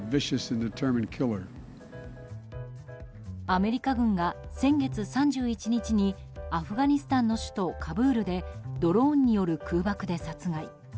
アメリカ軍が先月３１日にアフガニスタンの首都カブールでドローンによる空爆で殺害。